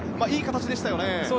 いい形でしたよね。